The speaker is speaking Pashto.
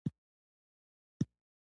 د ملا انډیوالي تر شکرانې وي